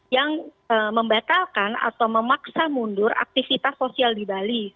yang membatalkan atau memaksa mundur aktivitas sosial di bali